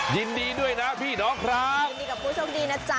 ยินดีด้วยนะพี่น้องครับยินดีกับผู้โชคดีนะจ๊ะ